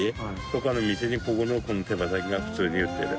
曚療垢ここのこの手羽先が普通に売ってる。